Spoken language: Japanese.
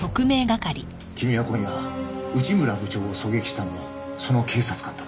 君は今夜内村部長を狙撃したのもその警察官だと？